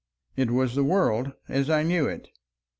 It was the world as I knew it.